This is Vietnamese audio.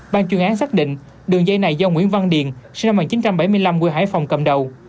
ban chuyên án xác định đường dây này do nguyễn văn điền sinh năm một nghìn chín trăm bảy mươi năm quê hải phòng cầm đầu